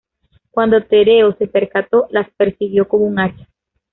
Cuando Tereo se percató, las persiguió con un hacha.